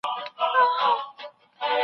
د معلوماتو صحیح تشرېح د څېړونکي لوی صفت دی.